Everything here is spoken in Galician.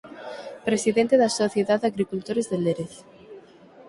Presidente da Sociedad de Agricultores de Lérez.